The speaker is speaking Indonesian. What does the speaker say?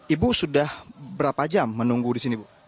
ibu sudah berapa jam menunggu di sini bu